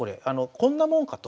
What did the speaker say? こんなもんかと。